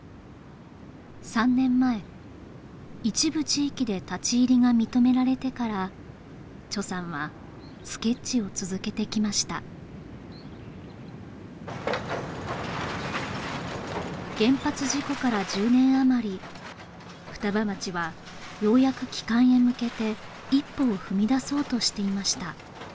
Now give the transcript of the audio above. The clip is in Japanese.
３年前一部地域で立ち入りが認められてからさんはスケッチを続けてきました原発事故から１０年あまり双葉町はようやく帰還へ向けて一歩を踏み出そうとしていました